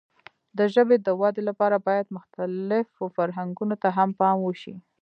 د ژبې د وده لپاره باید مختلفو فرهنګونو ته هم پام وشي.